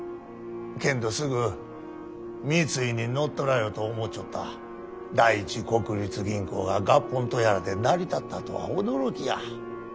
けんどすぐ三井に乗っ取られると思うちょった第一国立銀行が合本とやらで成り立ったとは驚きや。